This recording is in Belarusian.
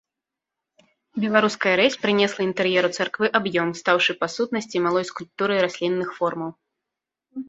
Беларуская рэзь прынесла інтэр'еру царквы аб'ём, стаўшы, па сутнасці, малой скульптурай раслінных формаў.